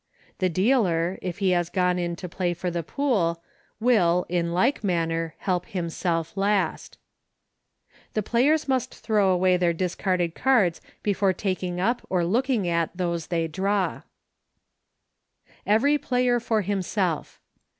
The dealer, if he has gone in to play for the pool, will, in like manner, help himself last. The players must throw away their dis 138 RULES FOE PLAYIXG DRAW POKER, carded cards before taking up or looking at those they dr; EVERY PLAYER FOR HLMSELF.